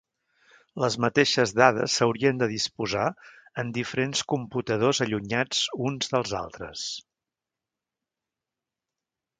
Les mateixes dades s'haurien de disposar en diferents computadors allunyats uns dels altres.